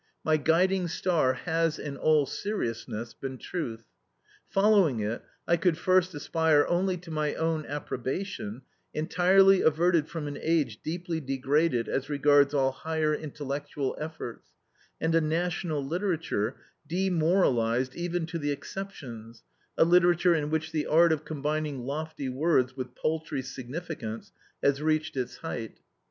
My guiding star has, in all seriousness, been truth. Following it, I could first aspire only to my own approbation, entirely averted from an age deeply degraded as regards all higher intellectual efforts, and a national literature demoralised even to the exceptions, a literature in which the art of combining lofty words with paltry significance has reached its height.